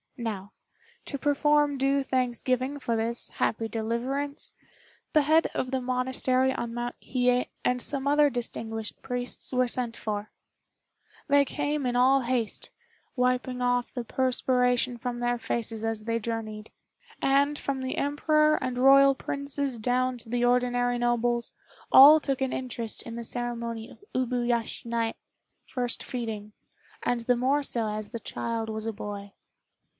Now, to perform due thanksgiving for this happy deliverance, the head of the monastery on Mount Hiye and some other distinguished priests were sent for. They came in all haste, wiping off the perspiration from their faces as they journeyed; and, from the Emperor and Royal princes down to the ordinary nobles, all took an interest in the ceremony of Ub yashinai (first feeding), and the more so as the child was a boy.